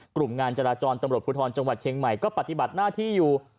กลุ่มงานจราจรตำรวจภูทรจังหวัดเชียงใหม่ก็ปฏิบัติหน้าที่อยู่